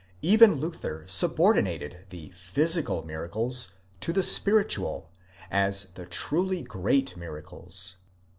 8 Even Luther subordinated the physical miracles to the spiritual, as the truly great miracles.